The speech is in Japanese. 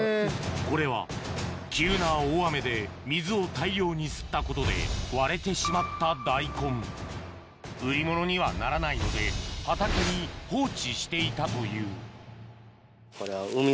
これは急な大雨で水を大量に吸ったことで割れてしまった大根売り物にはならないので畑に放置していたというこれは。